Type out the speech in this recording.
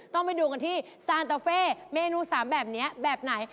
ต้องไปดูกันที่ซานตาเฟ่เมนู๓แบบนี้แบบไหน